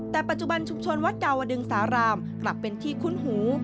แต่ปัจจุบันชุมชนวัดดาวดึงสารามกลับเป็นที่คุ้นหู